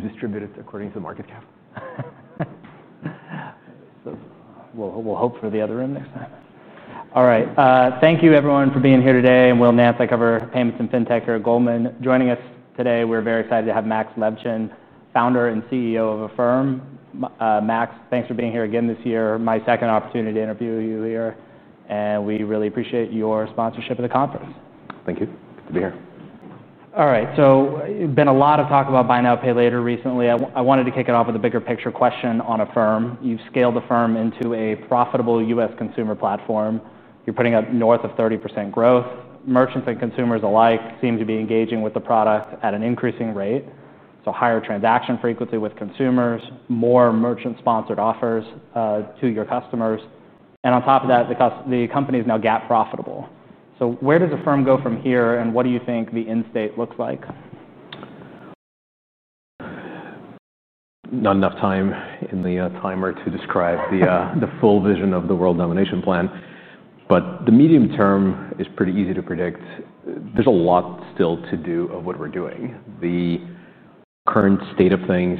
We've distributed according to the market cap. We'll hope for the other end next time. All right. Thank you, everyone, for being here today. Will Nath, I cover payments in fintech here at Goldman Sachs. Joining us today, we're very excited to have Max Levchin, Founder and CEO of Affirm. Max, thanks for being here again this year. My second opportunity to interview you here. We really appreciate your sponsorship of the conference. Thank you. Good to be here. All right. There's been a lot of talk about buy now, pay later recently. I wanted to kick it off with a bigger picture question on Affirm. You've scaled Affirm into a profitable U.S. consumer platform. You're putting up north of 30% growth. Merchants and consumers alike seem to be engaging with the product at an increasing rate. Higher transaction frequency with consumers, more merchant-sponsored offers to your customers. On top of that, the company is now GAAP-profitable. Where does Affirm go from here? What do you think the end state looks like? Not enough time in the timer to describe the full vision of the world domination plan. The medium term is pretty easy to predict. There's a lot still to do of what we're doing. The current state of things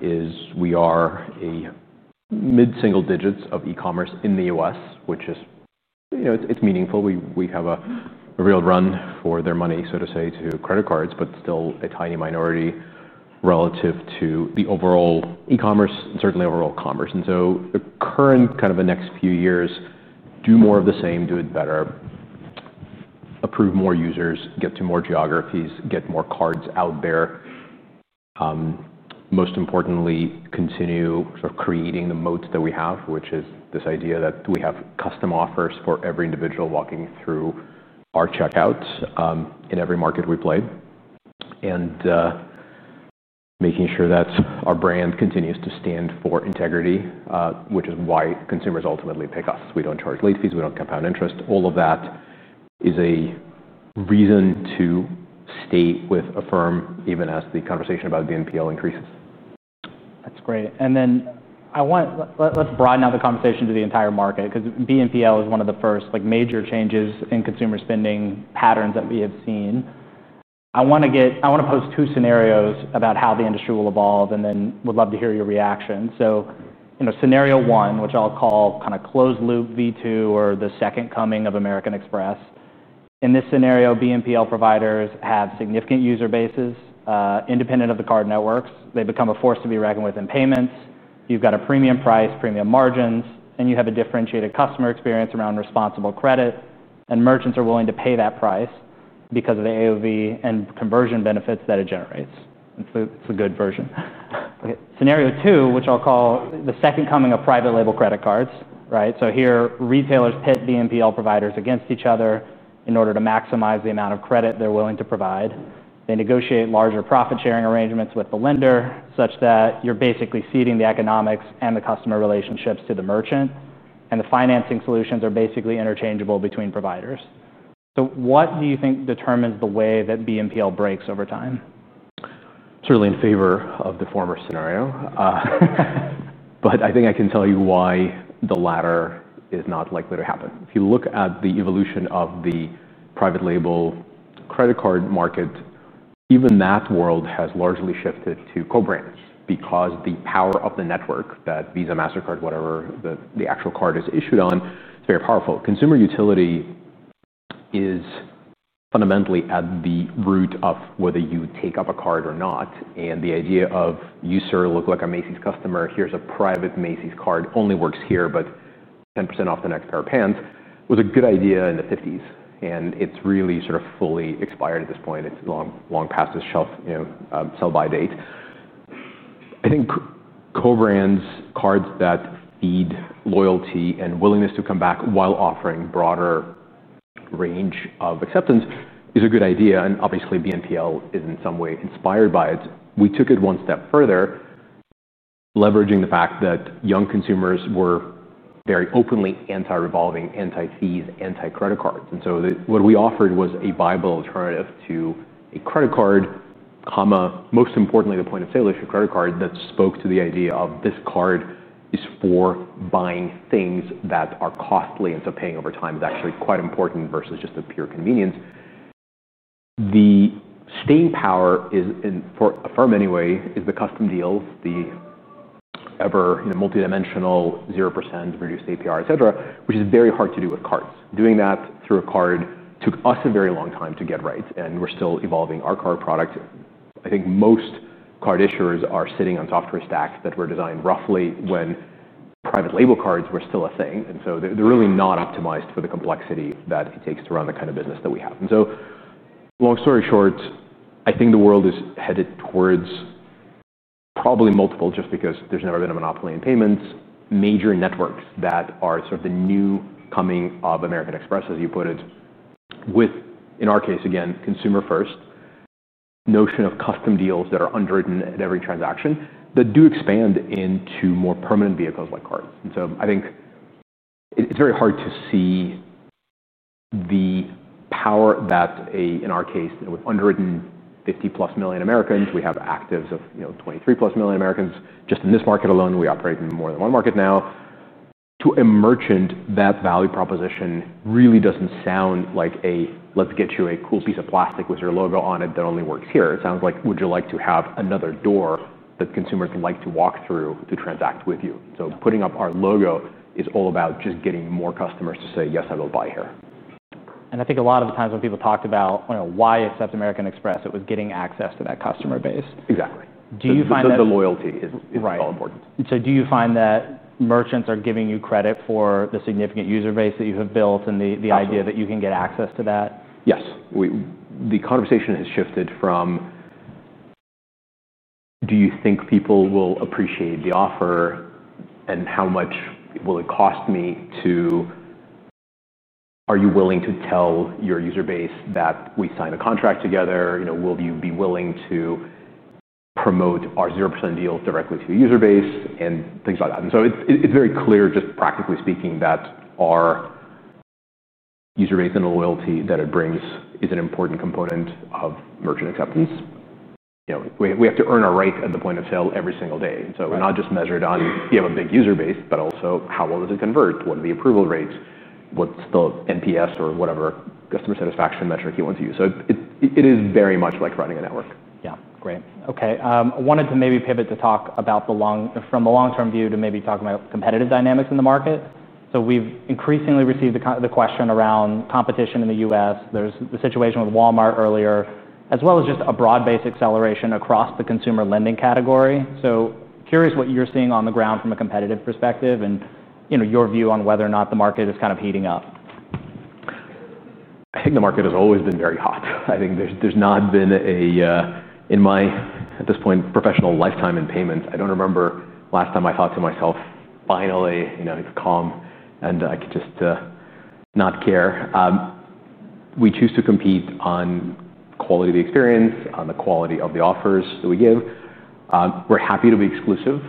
is we are mid-single digits of e-commerce in the U.S., which is, you know, it's meaningful. We have a real run for their money, so to say, to credit cards, but still a tiny minority relative to the overall e-commerce and certainly overall commerce. The current kind of the next few years, do more of the same, do it better, approve more users, get to more geographies, get more cards out there. Most importantly, continue sort of creating the moats that we have, which is this idea that we have custom offers for every individual walking through our checkouts in every market we play. Making sure that our brand continues to stand for integrity, which is why consumers ultimately pick us. We don't charge late fees, we don't have compound interest. All of that is a reason to stay with Affirm, even as the conversation about BNPL increases. That's great. I want to broaden out the conversation to the entire market because BNPL is one of the first major changes in consumer spending patterns that we have seen. I want to pose two scenarios about how the industry will evolve and would love to hear your reaction. Scenario one, which I'll call kind of closed loop V2 or the second coming of American Express. In this scenario, BNPL providers have significant user bases, independent of the card networks. They become a force to be reckoned with in payments. You've got a premium price, premium margins, and you have a differentiated customer experience around responsible credit. Merchants are willing to pay that price because of the AOV and conversion benefits that it generates. It's a good version. Scenario two, which I'll call the second coming of private label credit cards. Here, retailers pit BNPL providers against each other in order to maximize the amount of credit they're willing to provide. They negotiate larger profit-sharing arrangements with the lender, such that you're basically ceding the economics and the customer relationships to the merchant. The financing solutions are basically interchangeable between providers. What do you think determines the way that BNPL breaks over time? Certainly in favor of the former scenario. I think I can tell you why the latter is not likely to happen. If you look at the evolution of the private label credit card market, even that world has largely shifted to co-brands because the power of the network that Visa, MasterCard, whatever the actual card is issued on, is very powerful. Consumer utility is fundamentally at the root of whether you take up a card or not. The idea of you, sir, look like a Macy's customer. Here's a private Macy's card. It only works here, but 10% off the next pair of pants was a good idea in the 1950s. It's really sort of fully expired at this point. It's long past the shelf sell-by date. I think co-brands, cards that feed loyalty and willingness to come back while offering a broader range of acceptance, is a good idea. Obviously, BNPL is in some way inspired by it. We took it one step further, leveraging the fact that young consumers were very openly anti-revolving, anti-fees, anti-credit cards. What we offered was a viable alternative to a credit card, most importantly, the point of sale is your credit card that spoke to the idea of this card is for buying things that are costly. Paying over time is actually quite important versus just a pure convenience. The staying power in Affirm anyway is the custom deals, the ever multidimensional 0% reduced APR, et cetera, which is very hard to do with cards. Doing that through a card took us a very long time to get right. We're still evolving our card product. I think most card issuers are sitting on software stacks that were designed roughly when private label cards were still a thing. They're really not optimized for the complexity that it takes to run the kind of business that we have. Long story short, I think the world is headed towards probably multiple, just because there's never been a monopoly in payments, major networks that are sort of the new coming of American Express, as you put it, with, in our case, again, consumer-first notion of custom deals that are underwritten at every transaction that do expand into more permanent vehicles like cards. I think it's very hard to see the power that, in our case, with underwritten 50+ million Americans, we have actives of 23+ million Americans just in this market alone. We operate in more than one market now. To a merchant, that value proposition really doesn't sound like a, let's get you a cool piece of plastic with your logo on it that only works here. It sounds like, would you like to have another door that consumers like to walk through to transact with you? Putting up our logo is all about just getting more customers to say, yes, I will buy here. I think a lot of the times when people talked about why it sets American Express, it was getting access to that customer base. Exactly. Loyalty is all important. Do you find that merchants are giving you credit for the significant user base that you have built and the idea that you can get access to that? Yes. The conversation has shifted from, do you think people will appreciate the offer and how much will it cost me, to, are you willing to tell your user base that we signed a contract together? You know, will you be willing to promote our 0% deal directly to the user base and things like that? It is very clear, just practically speaking, that our user base and the loyalty that it brings is an important component of merchant acceptance. We have to earn our right at the point of sale every single day. We are not just measured on, you have a big user base, but also how well does it convert? What are the approval rates? What's the NPS or whatever customer satisfaction metric you want to use? It is very much like running a network. Yeah, great. Okay. I wanted to maybe pivot to talk about the long-term view to maybe talk about competitive dynamics in the market. We've increasingly received the question around competition in the U.S. There's the situation with Walmart earlier, as well as just a broad-based acceleration across the consumer lending category. Curious what you're seeing on the ground from a competitive perspective and your view on whether or not the market is kind of heating up. I think the market has always been very hot. I think there's not been a, in my, at this point, professional lifetime in payments, I don't remember the last time I thought to myself, finally, you know, it's calm and I could just not care. We choose to compete on quality of the experience, on the quality of the offers that we give. We're happy to be exclusive.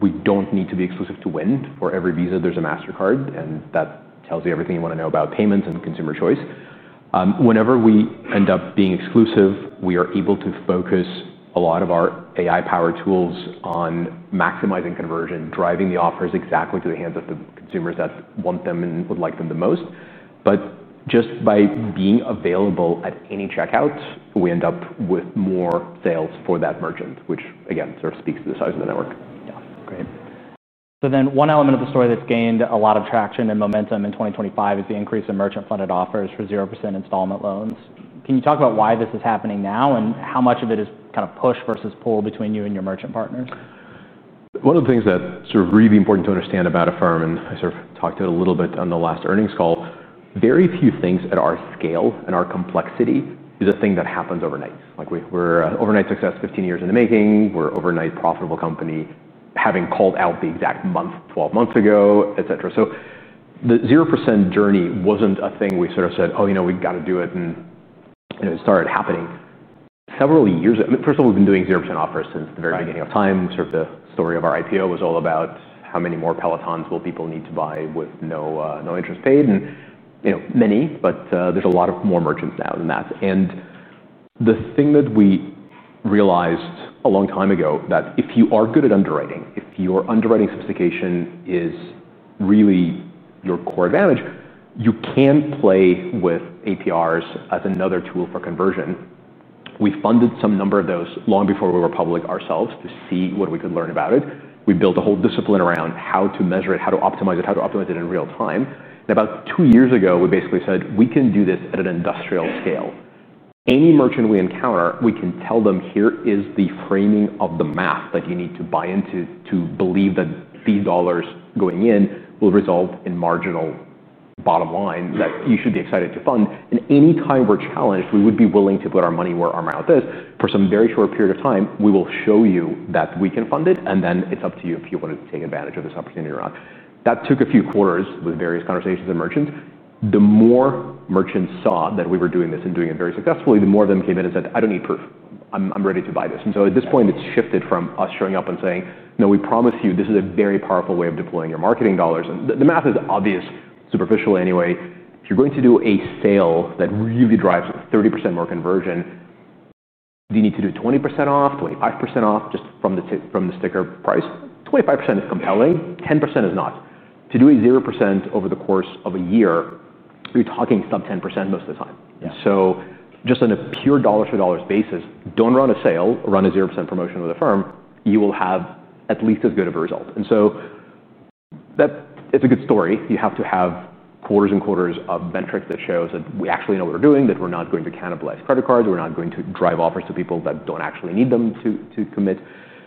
We don't need to be exclusive to win. For every Visa, there's a MasterCard, and that tells you everything you want to know about payments and consumer choice. Whenever we end up being exclusive, we are able to focus a lot of our AI-powered tools on maximizing conversion, driving the offers exactly to the hands of the consumers that want them and would like them the most. Just by being available at any checkout, we end up with more sales for that merchant, which again sort of speaks to the size of the network. Great. One element of the story that's gained a lot of traction and momentum in 2025 is the increase in merchant-funded 0% installment offers. Can you talk about why this is happening now and how much of it is kind of push versus pull between you and your merchant partners? One of the things that's really important to understand about Affirm, and I talked to it a little bit on the last earnings call, very few things at our scale and our complexity is a thing that happens overnight. Like we're overnight success, 15 years in the making. We're an overnight profitable company, having called out the exact month 12 months ago, etc. The 0% journey wasn't a thing we said, oh, you know, we've got to do it. It started happening several years ago. First of all, we've been doing 0% offers since the very beginning of time. The story of our IPO was all about how many more Pelotons will people need to buy with no interest paid. Many, but there's a lot more merchants now than that. The thing that we realized a long time ago is that if you are good at underwriting, if your underwriting sophistication is really your core advantage, you can play with APRs as another tool for conversion. We funded some number of those long before we were public ourselves to see what we could learn about it. We built a whole discipline around how to measure it, how to optimize it, how to optimize it in real time. About two years ago, we basically said we can do this at an industrial scale. Any merchant we encounter, we can tell them here is the framing of the math that you need to buy into to believe that these dollars going in will result in marginal bottom line that you should be excited to fund. Anytime we're challenged, we would be willing to put our money where our mouth is. For some very short period of time, we will show you that we can fund it. Then it's up to you if you want to take advantage of this opportunity or not. That took a few quarters with various conversations with merchants. The more merchants saw that we were doing this and doing it very successfully, the more of them came in and said, I don't need proof. I'm ready to buy this. At this point, it's shifted from us showing up and saying, no, we promise you, this is a very powerful way of deploying your marketing dollars. The math is obvious, superficially anyway. If you're going to do a sale that really drives 30% more conversion, do you need to do 20% off, 25% off just from the sticker price? 25% is compelling. 10% is not. To do a 0% over the course of a year, you're talking sub 10% most of the time. Just on a pure dollar-to-dollar basis, don't run a sale, run a 0% promotion with Affirm. You will have at least as good of a result, and that's a good story. You have to have quarters and quarters of metrics that show that we actually know what we're doing, that we're not going to cannibalize credit cards. We're not going to drive offers to people that don't actually need them to commit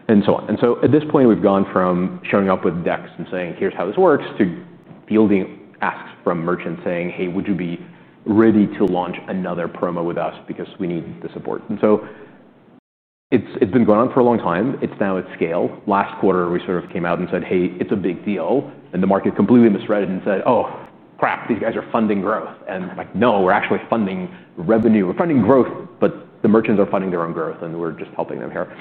and so on. At this point, we've gone from showing up with decks and saying, here's how this works to fielding asks from merchants saying, hey, would you be ready to launch another promo with us because we need the support? It's been going on for a long time. It's now at scale. Last quarter, we sort of came out and said, hey, it's a big deal. The market completely misread it and said, oh, crap, these guys are funding growth. Like, no, we're actually funding revenue. We're funding growth, but the merchants are funding their own growth and we're just helping them here.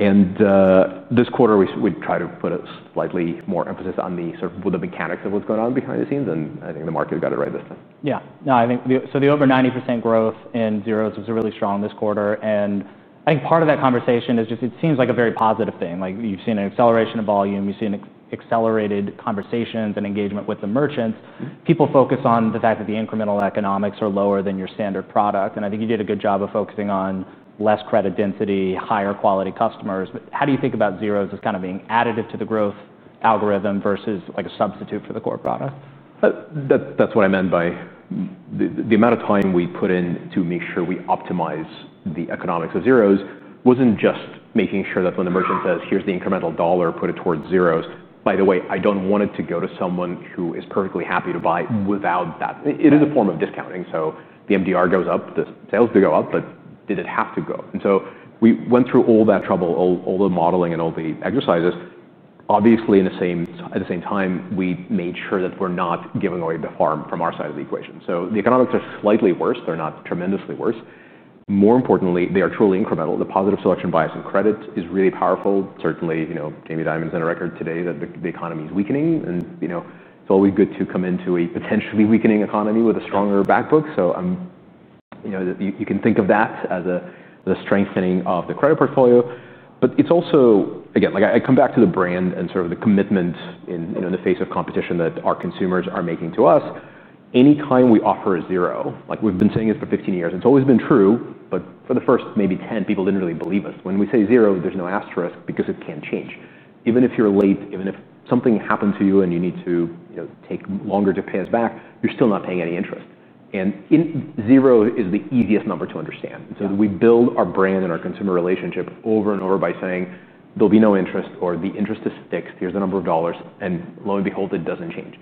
This quarter, we try to put a slightly more emphasis on the sort of mechanics of what's going on behind the scenes. I think the market has got it right this time. Yeah, I think the over 90% growth in zeros was really strong this quarter. I think part of that conversation is just, it seems like a very positive thing. You've seen an acceleration of volume. You've seen accelerated conversations and engagement with the merchants. People focus on the fact that the incremental economics are lower than your standard product. I think you did a good job of focusing on less credit density, higher quality customers. How do you think about zeros as kind of being additive to the growth algorithm versus like a substitute for the core product? That's what I meant by the amount of time we put in to make sure we optimize the economics of zeros wasn't just making sure that when a merchant says, here's the incremental dollar, put it towards zeros. By the way, I don't want it to go to someone who is perfectly happy to buy without that. It is a form of discounting. The MDR goes up, the sales do go up, but did it have to go? We went through all that trouble, all the modeling and all the exercises. Obviously, at the same time, we made sure that we're not giving away the farm from our side of the equation. The economics are slightly worse. They're not tremendously worse. More importantly, they are truly incremental. The positive selection bias in credit is really powerful. Certainly, you know, Jamie Dimon's in a record today that the economy is weakening. It's always good to come into a potentially weakening economy with a stronger backbook. You can think of that as a strengthening of the credit portfolio. It's also, again, like I come back to the brand and sort of the commitment in the face of competition that our consumers are making to us. Anytime we offer a zero, like we've been saying this for 15 years, it's always been true, but for the first maybe 10, people didn't really believe us. When we say zero, there's no asterisk because it can change. Even if you're late, even if something happened to you and you need to take longer to pay us back, you're still not paying any interest. Zero is the easiest number to understand. We build our brand and our consumer relationship over and over by saying, there'll be no interest or the interest is fixed. Here's the number of dollars. Lo and behold, it doesn't change.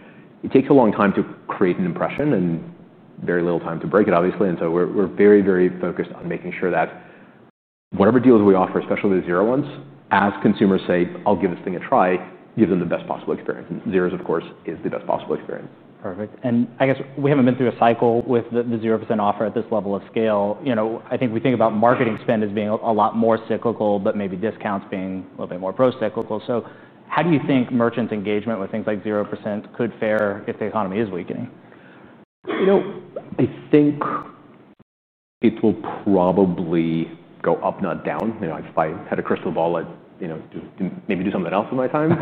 It takes a long time to create an impression and very little time to break it, obviously. We're very, very focused on making sure that whatever deals we offer, especially the zero ones, as consumers say, I'll give this thing a try, gives them the best possible experience. Zeros, of course, is the best possible experience. Perfect. I guess we haven't been through a cycle with the 0% offer at this level of scale. I think we think about marketing spend as being a lot more cyclical, but maybe discounts being a little bit more pro-cyclical. How do you think merchant engagement with things like 0% could fare if the economy is weakening? I think it will probably go up, not down. If I had a crystal ball, I'd maybe do something else with my time.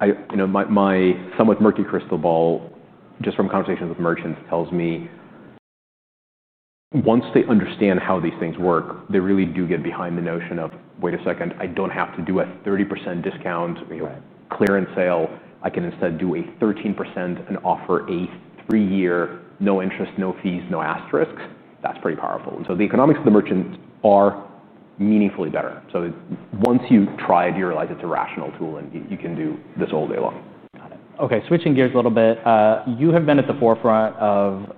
My somewhat murky crystal ball, just from conversations with merchants, tells me once they understand how these things work, they really do get behind the notion of, wait a second, I don't have to do a 30% discount clearance sale. I can instead do a 13% and offer a three-year no interest, no fees, no asterisks. That's pretty powerful. The economics for the merchants are meaningfully better. Once you try it, you realize it's a rational tool and you can do this all day long. Got it. Okay. Switching gears a little bit. You have been at the forefront of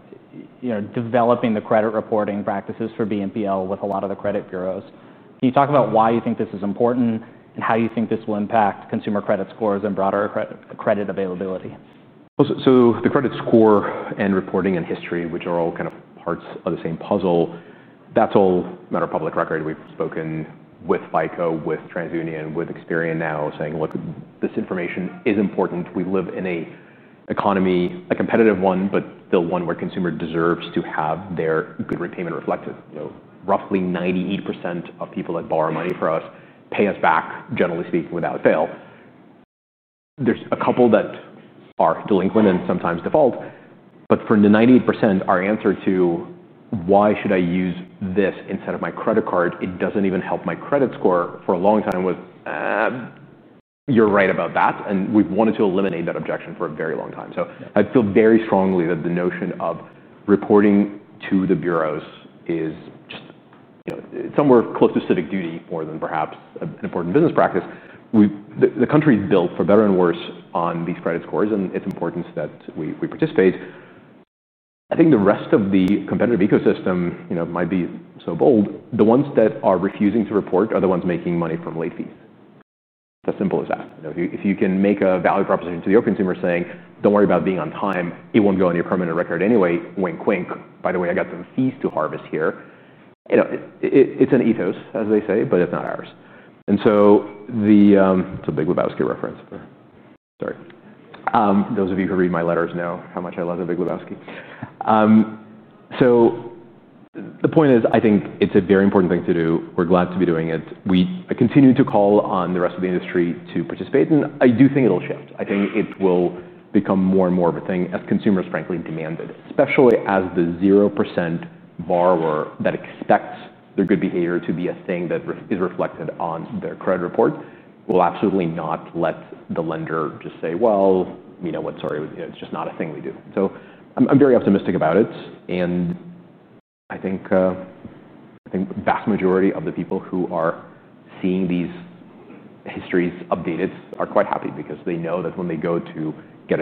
developing the credit reporting practices for BNPL with a lot of the credit bureaus. Can you talk about why you think this is important and how you think this will impact consumer credit scores and broader credit availability? The credit score and reporting and history, which are all kind of parts of the same puzzle, that's all a matter of public record. We've spoken with FICO, with TransUnion, with Experian now saying, look, this information is important. We live in an economy, a competitive one, but still one where consumers deserve to have their good repayment reflected. You know, roughly 98% of people that borrow money for us pay us back, generally speaking, without fail. There are a couple that are delinquent and sometimes default. For the 98%, our answer to why should I use this instead of my credit card, it doesn't even help my credit score for a long time was, you're right about that. We've wanted to eliminate that objection for a very long time. I feel very strongly that the notion of reporting to the bureaus is just, you know, somewhere close to civic duty more than perhaps an important business practice. The country is built for better and worse on these credit scores and it's important that we participate. I think the rest of the competitive ecosystem, you know, might be so bold. The ones that are refusing to report are the ones making money from late fees. That's as simple as that. If you can make a value proposition to your consumer saying, don't worry about being on time, it won't go in your permanent record anyway. Wink, wink. By the way, I got some fees to harvest here. It's an ethos, as they say, but it's not ours. It's a Big Lebowski reference. Sorry. Those of you who read my letters know how much I love the Big Lebowski. The point is, I think it's a very important thing to do. We're glad to be doing it. I continue to call on the rest of the industry to participate. I do think it'll shift. I think it will become more and more of a thing as consumers frankly demand it, especially as the 0% borrower that expects their good behavior to be a thing that is reflected on their credit report will absolutely not let the lender just say, you know what, sorry, it's just not a thing we do. I'm very optimistic about it. I think the vast majority of the people who are seeing these histories updated are quite happy because they know that when they go to get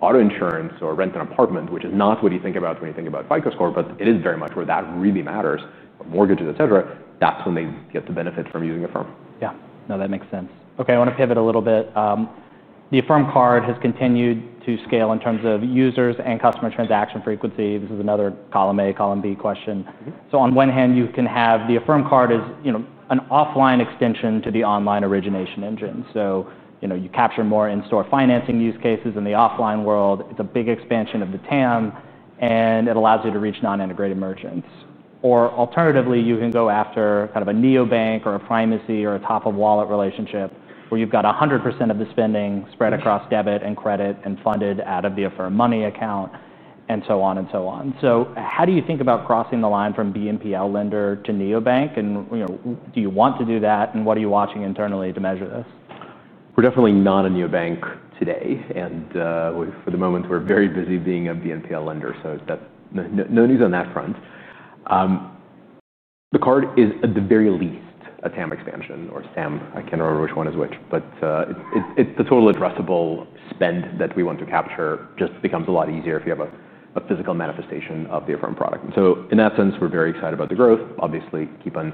auto insurance or rent an apartment, which is not what you think about when you think about FICO score, but it is very much where that really matters, mortgages, et cetera, that's when they get the benefit from using Affirm. Yeah, no, that makes sense. Okay, I want to pivot a little bit. The Affirm Card has continued to scale in terms of users and customer transaction frequency. This is another column A, column B question. On one hand, you can have the Affirm Card as an offline extension to the online origination engine. You capture more in-store financing use cases in the offline world. It's a big expansion of the TAM, and it allows you to reach non-integrated merchants. Alternatively, you can go after kind of a neobank or a primacy or a top-of-wallet relationship where you've got 100% of the spending spread across debit and credit and funded out of the Affirm Money Account and so on and so on. How do you think about crossing the line from BNPL lender to neobank? Do you want to do that? What are you watching internally to measure this? We're definitely not a neobank today. For the moment, we're very busy being a BNPL lender. No news on that front. The card is at the very least a TAM expansion or TAM. I can't remember which one is which, but it's the total addressable spend that we want to capture. It just becomes a lot easier if you have a physical manifestation of the Affirm product. In that sense, we're very excited about the growth. Obviously, we keep on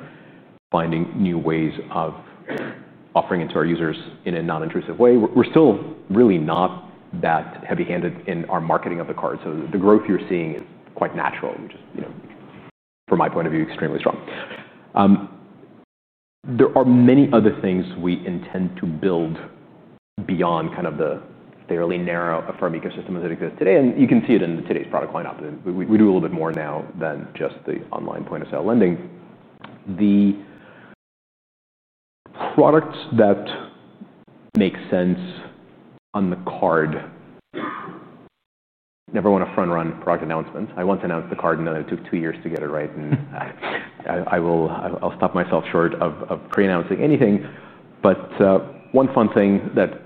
finding new ways of offering it to our users in a non-intrusive way. We're still really not that heavy-handed in our marketing of the card. The growth you're seeing is quite natural, which is, from my point of view, extremely strong. There are many other things we intend to build beyond the fairly narrow Affirm ecosystem as it exists today. You can see it in today's product lineup. We do a little bit more now than just the online point of sale lending. The product that makes sense on the card, never want to front-run product announcements. I once announced the card and then it took two years to get it right. I'll stop myself short of pre-announcing anything. One fun thing that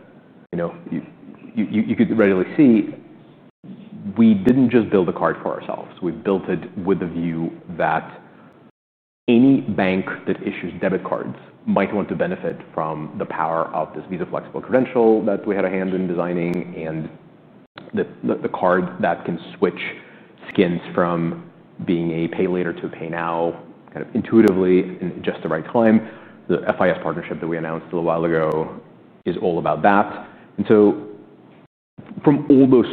you could readily see, we didn't just build the card for ourselves. We built it with a view that any bank that issues debit cards might want to benefit from the power of this Visa flexible credential that we had a hand in designing and the card that can switch skins from being a pay later to a pay now kind of intuitively in just the right time. The FIS partnership that we announced a little while ago is all about that. From all those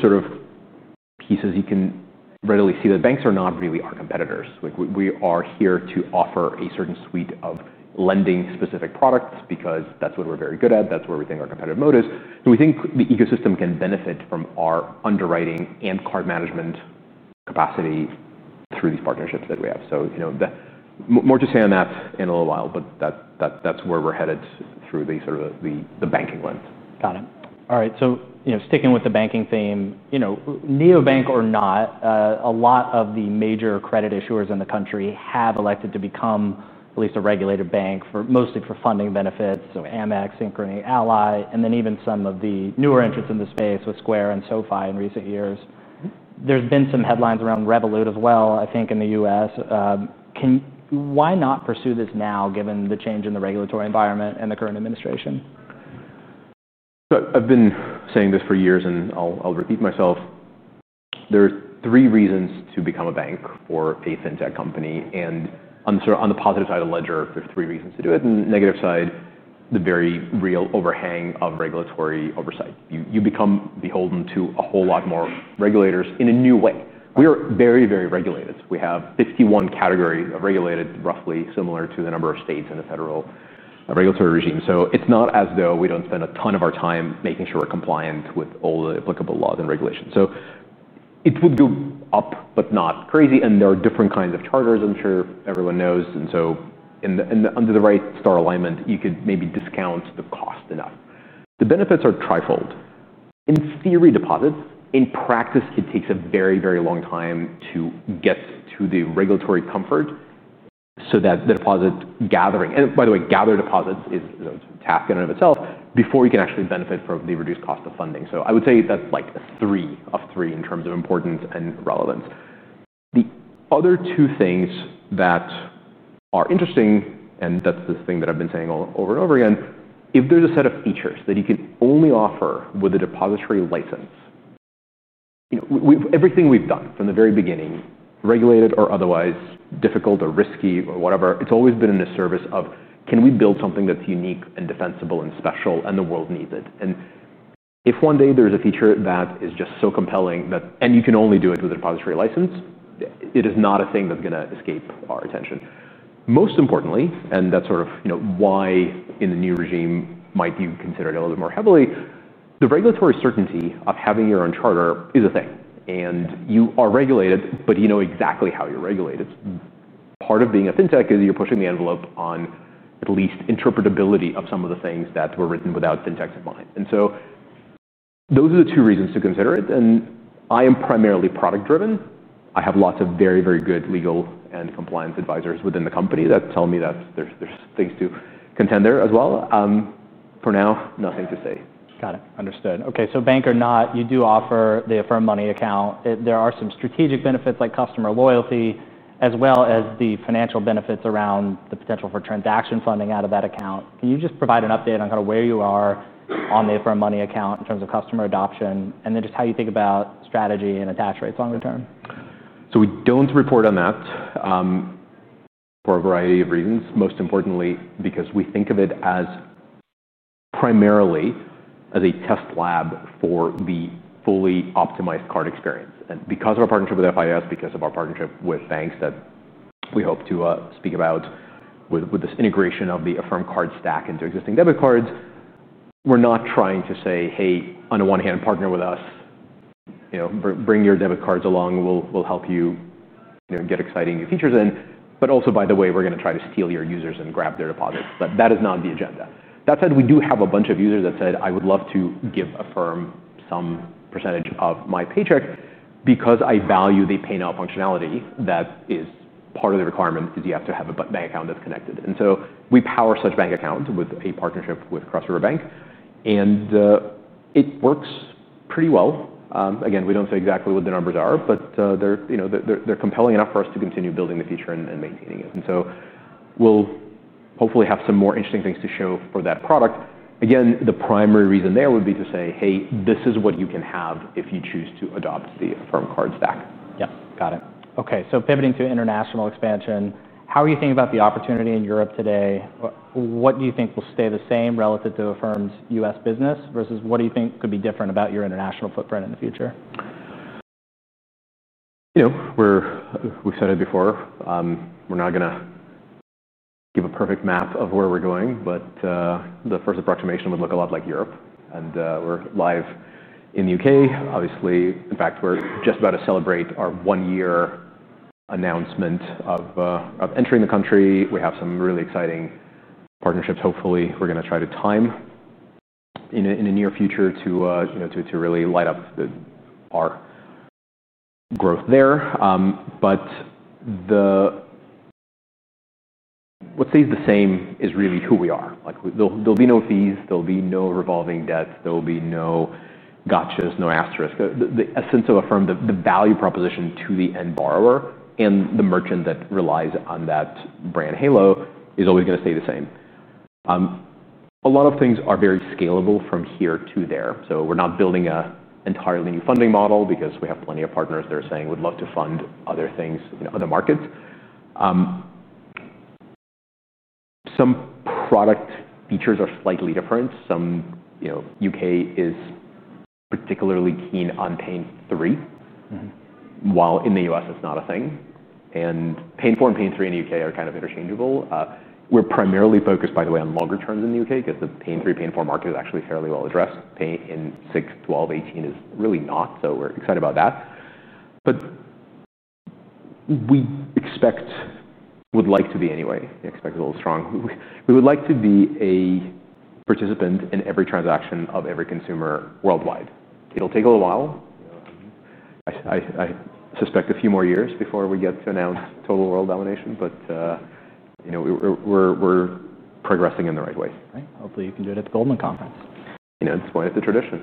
pieces, you can readily see that banks are not really our competitors. We are here to offer a certain suite of lending-specific products because that's what we're very good at. That's where we think our competitive moat is. We think the ecosystem can benefit from our underwriting and card management capacity through these partnerships that we have. More to say on that in a little while, but that's where we're headed through the banking lens. Got it. All right. Sticking with the banking theme, you know, neobank or not, a lot of the major credit issuers in the country have elected to become at least a regulated bank, mostly for funding benefits. Amex, Synchrony, Ally, and then even some of the newer entrants in the space with Square and SoFi in recent years. There have been some headlines around Revolut as well, I think, in the U.S. Why not pursue this now given the change in the regulatory environment and the current administration? I've been saying this for years and I'll repeat myself. There are three reasons to become a bank or a fintech company. On the positive side of the ledger, there are three reasons to do it. On the negative side, the very real overhang of regulatory oversight. You become beholden to a whole lot more regulators in a new way. We are very, very regulated. We have 51 categories of regulated, roughly similar to the number of states in the federal regulatory regime. It's not as though we don't spend a ton of our time making sure we're compliant with all the applicable laws and regulations. It would go up, but not crazy. There are different kinds of charges, I'm sure everyone knows. Under the right star alignment, you could maybe discount the cost enough. The benefits are trifold. In theory, deposits. In practice, it takes a very, very long time to get to the regulatory comfort so that the deposit gathering, and by the way, gather deposits is a task in and of itself before you can actually benefit from the reduced cost of funding. I would say that's like a three of three in terms of importance and relevance. The other two things that are interesting, and that's this thing that I've been saying over and over again, if there's a set of features that you can only offer with a depository license, everything we've done from the very beginning, regulated or otherwise, difficult or risky or whatever, it's always been in the service of, can we build something that's unique and defensible and special and the world needs it? If one day there's a feature that is just so compelling that you can only do it with a depository license, it is not a thing that's going to escape our attention. Most importantly, and that's sort of why in the new regime might you consider it a little bit more heavily, the regulatory certainty of having your own charter is a thing. You are regulated, but you know exactly how you're regulated. Part of being a fintech is you're pushing the envelope on at least interpretability of some of the things that were written without fintechs in mind. Those are the two reasons to consider it. I am primarily product-driven. I have lots of very, very good legal and compliance advisors within the company that tell me that there's things to contend there as well. For now, nothing to say. Got it. Understood. Okay. Bank or not, you do offer the Affirm Money Account. There are some strategic benefits like customer loyalty, as well as the financial benefits around the potential for transaction funding out of that account. Can you just provide an update on where you are on the Affirm Money Account in terms of customer adoption and how you think about strategy and attach rates longer term? We don't report on that for a variety of reasons, most importantly because we think of it as primarily a test lab for the fully optimized card experience. Because of our partnership with FIS, and because of our partnership with banks that we hope to speak about with this integration of the Affirm Card stack into existing debit cards, we're not trying to say, hey, on the one hand, partner with us, bring your debit cards along, we'll help you get exciting new features in. By the way, we're not going to try to steal your users and grab their deposits. That is not the agenda. That said, we do have a bunch of users that said, I would love to give Affirm some percentage of my paycheck because I value the pay now functionality. Part of the requirement is you have to have a bank account that's connected, and we power such bank accounts with a partnership with Cross River Bank. It works pretty well. We don't say exactly what the numbers are, but they're compelling enough for us to continue building the feature and maintaining it. We'll hopefully have some more interesting things to show for that product. The primary reason there would be to say, hey, this is what you can have if you choose to adopt the Affirm Card stack. Got it. Okay. Pivoting to international expansion, how are you thinking about the opportunity in Europe today? What do you think will stay the same relative to Affirm's U.S. business versus what do you think could be different about your international footprint in the future? You know, we've said it before, we're not going to give a perfect map of where we're going, but the first approximation would look a lot like Europe. We're live in the UK. Obviously, in fact, we're just about to celebrate our one-year announcement of entering the country. We have some really exciting partnerships. Hopefully, we're going to try to time in the near future to really light up our growth there. What stays the same is really who we are. There'll be no fees, there'll be no revolving debt, there'll be no gotchas, no asterisk. The essence of Affirm, the value proposition to the end borrower and the merchant that relies on that brand halo, is always going to stay the same. A lot of things are very scalable from here to there. We're not building an entirely new funding model because we have plenty of partners that are saying we'd love to fund other things in other markets. Some product features are slightly different. The UK is particularly keen on Pay in 3, while in the U.S., it's not a thing. Pay in 4 and Pay in 3 in the UK are kind of interchangeable. We're primarily focused, by the way, on longer terms in the UK because the Pay in 3, Pay in 4 market is actually fairly well addressed. Pay in 6, 12, 18 is really not. We're excited about that. We would like to be a participant in every transaction of every consumer worldwide. It'll take a little while. I suspect a few more years before we get to announce total world domination. You know, we're progressing in the right way. Hopefully, you can do it at the Goldman Sachs conference. You know, it's one of the traditions.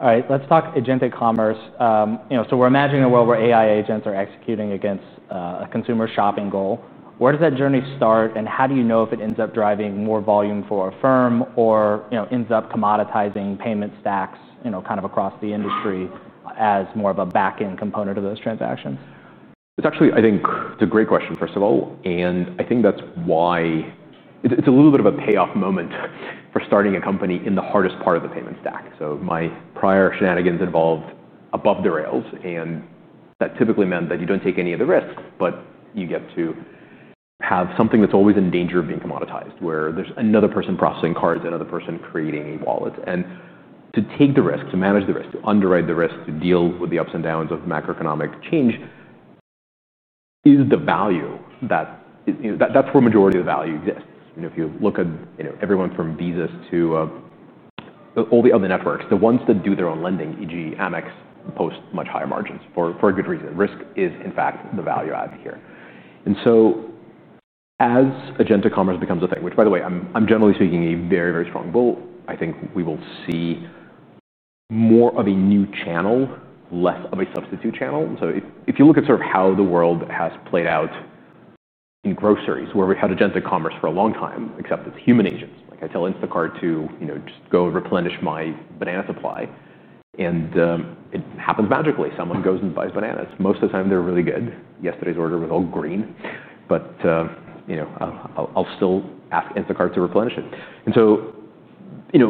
All right. Let's talk agented commerce. We're imagining a world where AI agents are executing against a consumer shopping goal. Where does that journey start? How do you know if it ends up driving more volume for Affirm or ends up commoditizing payment stacks across the industry as more of a backend component of those transactions? It's actually, I think it's a great question, first of all. I think that's why it's a little bit of a payoff moment for starting a company in the hardest part of the payment stack. My prior shenanigans involved above the rails. That typically meant that you don't take any of the risks, but you get to have something that's always in danger of being commoditized, where there's another person processing cards, another person creating a wallet. To take the risk, to manage the risk, to underwrite the risk, to deal with the ups and downs of macroeconomic change is the value that is, that's where a majority of the value exists. If you look at everyone from Visas to all the other networks, the ones that do their own lending, e.g., American Express, post much higher margins for a good reason. Risk is, in fact, the value added here. As agented commerce becomes a thing, which, by the way, I'm generally speaking, a very, very strong bull, I think we will see more of a new channel, less of a substitute channel. If you look at sort of how the world has played out in groceries, where we've had agented commerce for a long time, except it's human agents. Like I tell Instacart to just go replenish my banana supply, and it happens magically. Someone goes and buys bananas. Most of the time, they're really good. Yesterday's order was all green, but you know, I'll still ask Instacart to replenish it.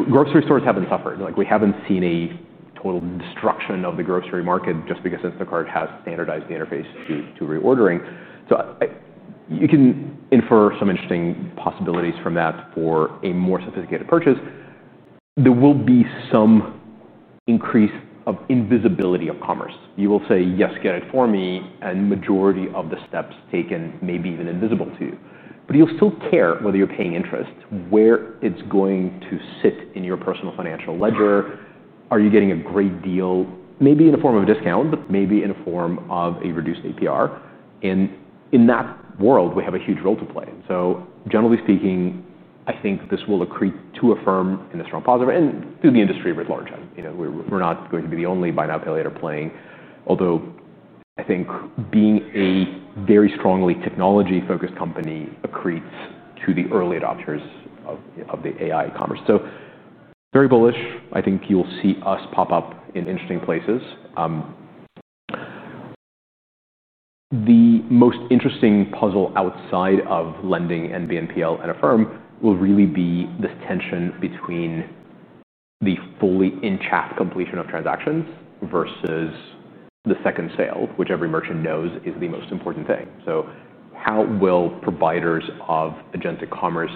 Grocery stores haven't suffered. We haven't seen a total destruction of the grocery market just because Instacart has standardized the interface to reordering. You can infer some interesting possibilities from that for a more sophisticated purchase. There will be some increase of invisibility of commerce. You will say, yes, get it for me, and the majority of the steps taken may be even invisible to you. You'll still care whether you're paying interest, where it's going to sit in your personal financial ledger. Are you getting a great deal? Maybe in the form of a discount, but maybe in the form of a reduced APR. In that world, we have a huge role to play. Generally speaking, I think this will accrete to Affirm in the strong positive and to the industry at large. We're not going to be the only buy now, pay later playing. Although I think being a very strongly technology-focused company accretes to the early adopters of the AI commerce. Very bullish. I think you'll see us pop up in interesting places. The most interesting puzzle outside of lending and BNPL and Affirm will really be this tension between the fully in-app completion of transactions versus the second sale, which every merchant knows is the most important thing. How will providers of agented commerce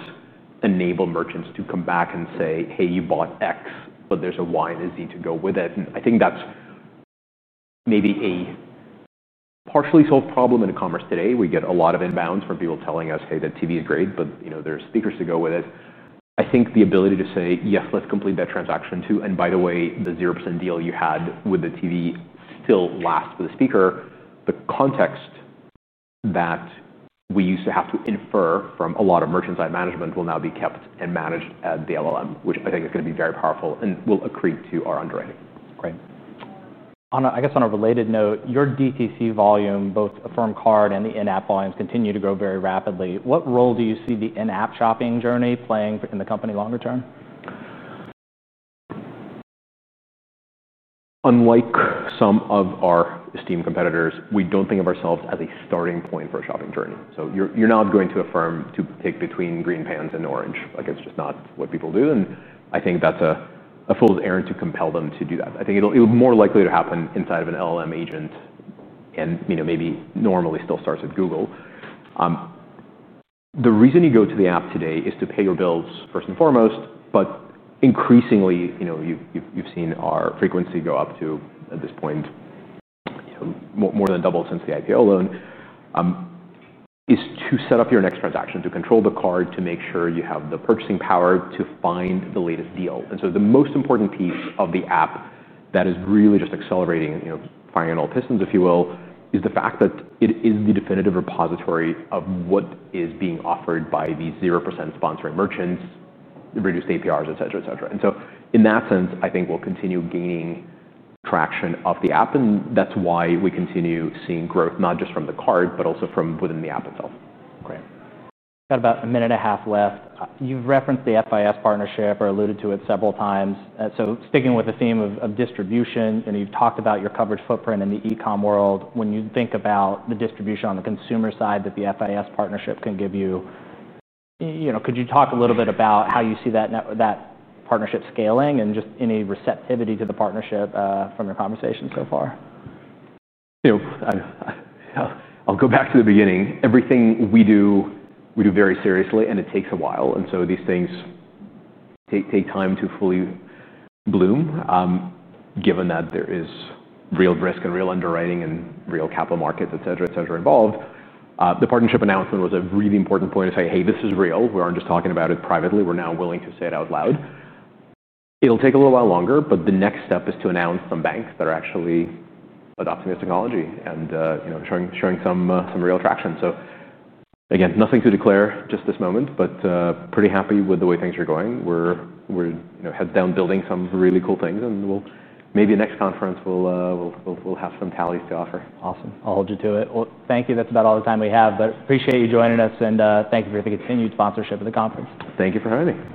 enable merchants to come back and say, hey, you bought X, but there's a Y and a Z to go with it? I think that's maybe a partially solved problem in e-commerce today. We get a lot of inbounds from people telling us, hey, that TV is great, but you know, there's speakers to go with it. I think the ability to say, yes, let's complete that transaction too. By the way, the 0% deal you had with the TV still lasts for the speaker. The context that we used to have to infer from a lot of merchant side management will now be kept and managed at the LLM, which I think is going to be very powerful and will accrete to our underwriting. Right. On a related note, your DTC volume, both Affirm Card and the in-app volumes continue to grow very rapidly. What role do you see the in-app shopping journey playing in the company longer term? Unlike some of our esteemed competitors, we don't think of ourselves as a starting point for a shopping journey. You're not going to Affirm to take between green pans and orange. It's just not what people do. I think that's a fool's errand to compel them to do that. It'll be more likely to happen inside of an LLM agent and maybe normally still starts with Google. The reason you go to the app today is to pay your bills first and foremost. Increasingly, you've seen our frequency go up to, at this point, more than doubled since the IPO alone, to set up your next transaction, to control the card, to make sure you have the purchasing power, to find the latest deal. The most important piece of the app that is really just accelerating, firing on all pistons, if you will, is the fact that it is the definitive repository of what is being offered by the 0% sponsoring merchants, reduced APRs, et cetera, et cetera. In that sense, I think we'll continue gaining traction up the app. That's why we continue seeing growth, not just from the card, but also from within the app itself. Great. Got about a minute and a half left. You've referenced the FIS partnership or alluded to it several times. Sticking with the theme of distribution, you've talked about your coverage footprint in the e-comm world. When you think about the distribution on the consumer side that the FIS partnership can give you, could you talk a little bit about how you see that partnership scaling and just any receptivity to the partnership from your conversation so far? I'll go back to the beginning. Everything we do, we do very seriously and it takes a while. These things take time to fully bloom, given that there is real risk and real underwriting and real capital markets, et cetera, et cetera, involved. The partnership announcement was a really important point to say, hey, this is real. We aren't just talking about it privately. We're now willing to say it out loud. It'll take a little while longer, but the next step is to announce some banks that are actually adopting this technology and showing some real traction. Nothing to declare just this moment, but pretty happy with the way things are going. We're head down building some really cool things. Maybe the next conference, we'll have some tallies to offer. Awesome. I'll hold you to it. Thank you. That's about all the time we have, but appreciate you joining us. Thank you for the continued sponsorship of the conference. Thank you for having me.